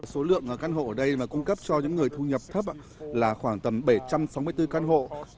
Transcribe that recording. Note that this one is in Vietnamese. số lượng căn hộ ở đây mà cung cấp cho những người thu nhập thấp là khoảng tầm bảy trăm sáu mươi bốn căn hộ